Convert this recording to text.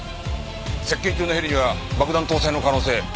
接近中のヘリには爆弾搭載の可能性。